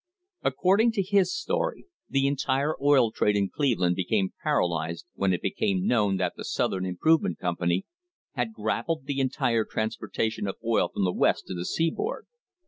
According to his story the entire oil trade in Cleveland became paralysed when it became known that the South Improve ment Company had "grappled the entire transportation of oil from the West to the seaboard."